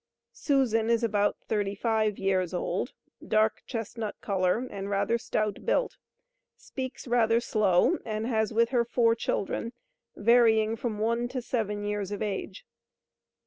SUSAN is about 35 years old, dark chestnut color, and rather stout built; speaks rather slow, and has with her FOUR CHILDREN, varying from one to seven years of age.